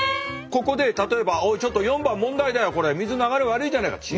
ここで例えば「おいちょっと４番問題だよこれ水流れ悪いじゃないか！」